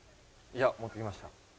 いや持ってきました。